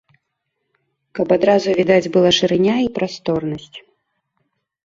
Каб адразу відаць была шырыня і прасторнасць.